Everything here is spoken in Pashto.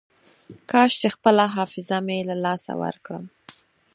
کاش چې خپله حافظه مې له لاسه ورکړم.